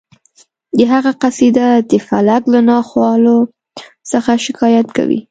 د هغه قصیده د فلک له ناخوالو څخه شکایت کوي